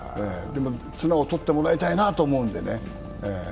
綱を取ってもらいたいなと思うんでね。